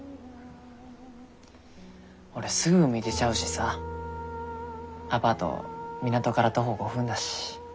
俺すぐ海出ちゃうしさアパート港から徒歩５分だし。